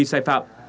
vì sai phạm